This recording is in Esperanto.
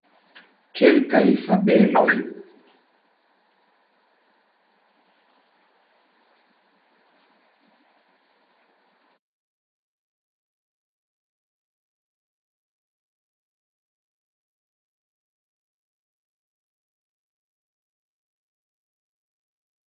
Kelkaj fabeloj poste eniris la kolekton de la Fratoj Grimm.